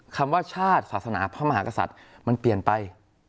คำว่าชาติศาสนาพระมหากษัตริย์มันเปลี่ยนไป